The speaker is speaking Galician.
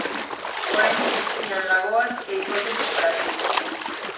Porén existían lagoas e hipóteses fráxiles.